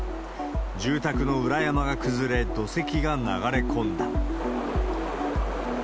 住宅の裏山が崩れ、土石が流れ込んだ。